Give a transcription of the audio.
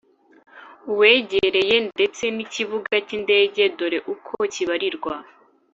iwegereye ndetse n’ikibuga k’indege dore ko kibarirwa